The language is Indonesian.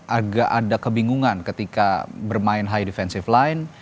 agak ada kebingungan ketika bermain high defensive line